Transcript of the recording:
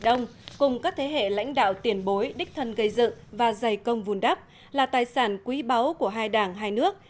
đông cùng các thế hệ lãnh đạo tiền bối đích thân gây dự và giày công vùn đắp là tài sản quý báu của hai đảng hai nước